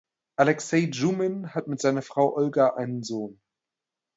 Alexei Djumin hat mit seiner Frau Olga einen Sohn.